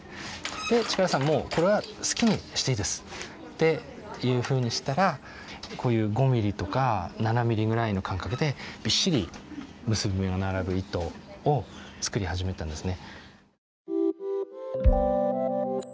で「力さんもうこれは好きにしていいです」っていうふうにしたらこういう５ミリとか７ミリぐらいの間隔でびっしり結び目が並ぶ糸を作り始めたんですね。